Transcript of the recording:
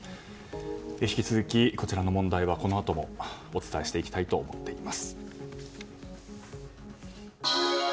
引き続き、こちらの問題はこのあともお伝えしていきたいと思っています。